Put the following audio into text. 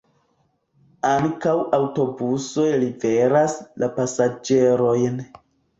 Ankaŭ aŭtobusoj liveras la pasaĝerojn.